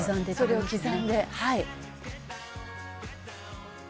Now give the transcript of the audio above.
「それを刻んで」